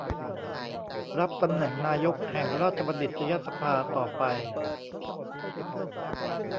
รับตำแหน่งนายกแห่งราชบัณฑิตยสภาต่อไป